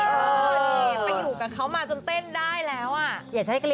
นี่ไปอยู่กับเขามาจนเต้นได้แล้วอ่ะ